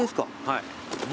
はい。